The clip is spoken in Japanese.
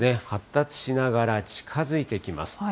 発達しながら近づいてきます。